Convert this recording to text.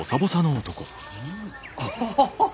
アハハハ